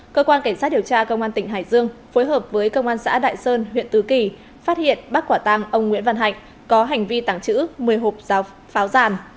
cơ quan cảnh sát điều tra công an tỉnh hải dương phối hợp với công an xã đại sơn huyện tứ kỳ phát hiện bắt quả tăng ông nguyễn văn hạnh có hành vi tàng trữ một mươi hộp pháo giàn